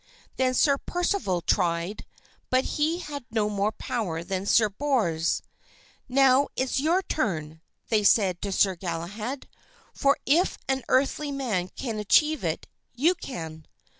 Then Sir Percival tried, but he had no more power than Sir Bors. "Now it is your turn," said they to Sir Galahad, "for if an earthly man can achieve it, you can."